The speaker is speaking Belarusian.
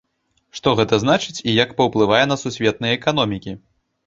Што гэта значыць і як паўплывае на сусветныя эканомікі?